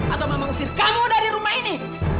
atau mama usir kamu dari rumah ini